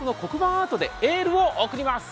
アートでエールを送ります！